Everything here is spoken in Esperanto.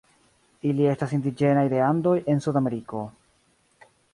Ili estas indiĝenaj de Andoj en Sudameriko.